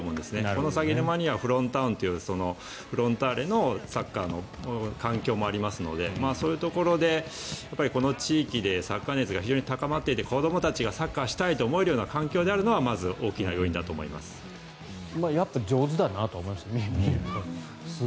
この鷺沼にはフロンタウンというフロンターレのサッカーの環境もありますのでそういうところでこの地域でサッカー熱が非常に高まっていて子どもたちがサッカーをしたいと思えるような環境であるのはまず大きな要因だと思います。